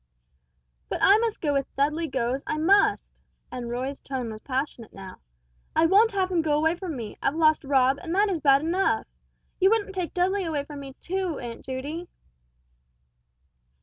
"But I must go if Dudley goes, I must!" and Roy's tone was passionate now. "I won't have him go away from me I've lost Rob, and that is bad enough You wouldn't take Dudley away from me, too, Aunt Judy!"